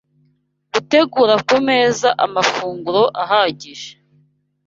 Gutegura ku Meza Amafunguro Ahagije